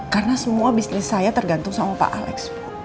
karena semua bisnis saya tergantung sama pak alex